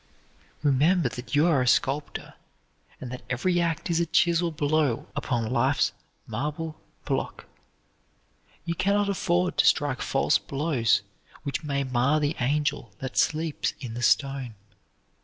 Remember that you are a sculptor and that every act is a chisel blow upon life's marble block. You can not afford to strike false blows which may mar the angel that sleeps in the stone.